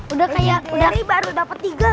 udah kayak baru dapet tiga